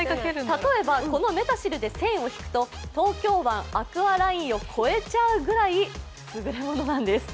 例えばこのｍｅｔａｃｉｌで線を引くと東京湾アクアラインを越えちゃうぐらいすぐれものなんです。